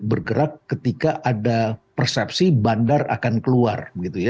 bergerak ketika ada persepsi bandar akan keluar